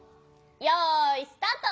よいスタート。